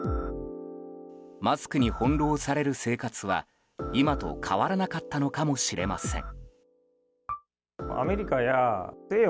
マスクに翻弄される生活は今と変わらなかったのかもしれません。